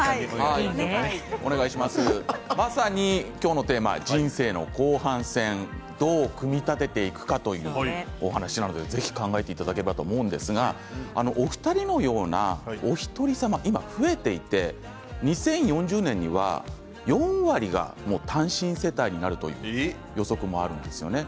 まさに今日のテーマ人生の後半戦どう組み立てていくかというお話なので、ぜひ考えていただければと思うんですがお二人のようなおひとりさま、今増えていて２０４０年には４割が単身世帯になるという予測があるんですね。